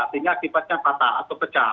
sehingga akibatnya patah atau pecah